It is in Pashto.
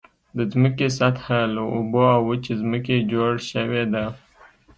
د ځمکې سطحه له اوبو او وچې ځمکې جوړ شوې ده.